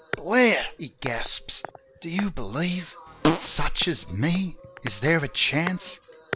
"Blair!" he gasps. "Do you believe? Such as me! Is there a chance?"